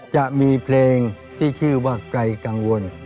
จะมีเพลงที่ชื่อว่าไกลกังวล